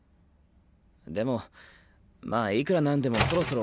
でもまいくらなんでもそろそろ。